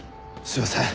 すいません。